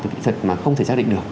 và kỹ thuật mà không thể xác định được